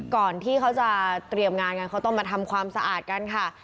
ก่อนที่เขาจะเตรียมงานกันเขาต้องมาทำความสะอาดกันค่ะ